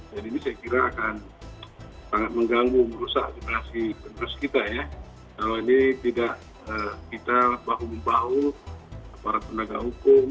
jadi ini saya kira akan sangat mengganggu merusak generasi penerus kita ya kalau ini tidak kita bahu membahu para penegak hukum